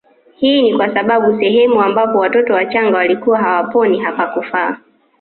Hii ni kwa sababu sehemu ambapo watoto wachanga walikuwa hawaponi hapakufaa